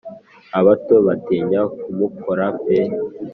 Abato batinya kumukora pe